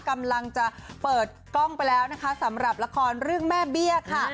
กำลังจะเปิดกล้องไปแล้วนะคะสำหรับละครเรื่องแม่เบี้ยค่ะ